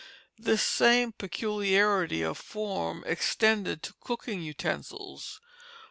This same peculiarity of form extended to cooking utensils.